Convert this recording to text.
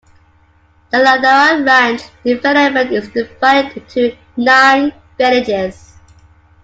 The Ladera Ranch development is divided into nine "villages".